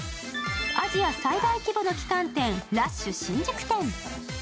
アジア最大規模の旗艦店、ＬＵＳＨ新宿店。